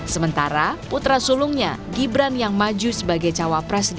sementara putra sulungnya gibran yang maju sebagai cawapres di pemilu dki jakarta